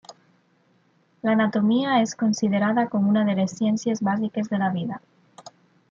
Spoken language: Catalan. L'anatomia és considerada com una de les ciències bàsiques de la vida.